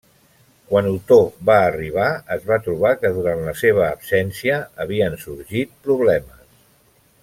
Quan Otó va arribar es va trobar que durant la seva absència havien sorgit problemes.